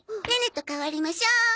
ネネと代わりましょう。